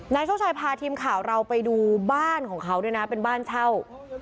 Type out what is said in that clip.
โชคชัยพาทีมข่าวเราไปดูบ้านของเขาด้วยนะเป็นบ้านเช่า